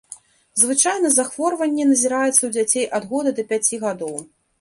Звычайна захворванне назіраецца ў дзяцей ад года да пяці гадоў.